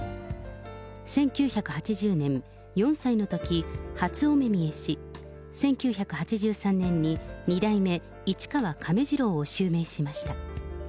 １９８０年、４歳のとき、初お目見えし、１９８３年に二代目市川亀治郎を襲名しました。